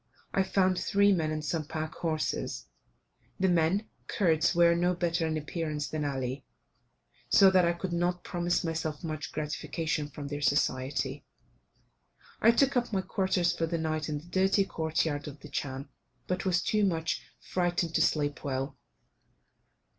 I found three men and some pack horses; the men (Kurds) were no better in appearance than Ali, so that I could not promise myself much gratification from their society. I took up my quarters for the night in the dirty court yard of the chan, but was too much frightened to sleep well.